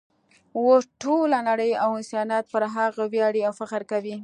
اوس ټوله نړۍ او انسانیت پر هغه ویاړي او فخر کوي.